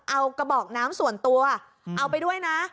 เอากระบอกน้ำส่วนตัวเอาไปด้วยนะ